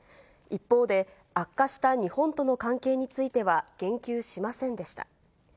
一方で、悪化した日本との関係については言及しませんでした。